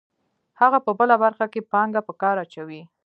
هغه په بله برخه کې پانګه په کار اچوي